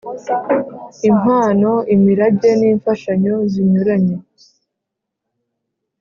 Impano imirage n imfashanyo zinyuranye